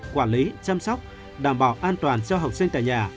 quản lý chăm sóc đảm bảo an toàn cho học sinh tại nhà